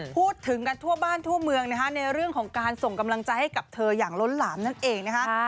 พูดถึงกันทั่วบ้านทั่วเมืองนะคะในเรื่องของการส่งกำลังใจให้กับเธออย่างล้นหลามนั่นเองนะคะ